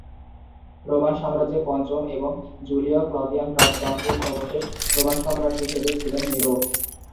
Roman সাম্রাজ্যের পঞ্চম এবং জুলিও-ক্লদিয়ান রাজতন্ত্রের সর্বশেষ রোমান সম্রাট হিসেবে ছিলেন নিরো।